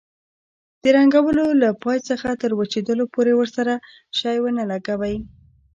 د رنګولو له پای څخه تر وچېدلو پورې ورسره شی ونه لګوئ.